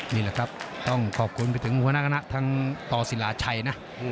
นี่แหละครับต้องขอบคุณไปถึงหัวหน้าคณะทั้งต่อศิลาชัยนะ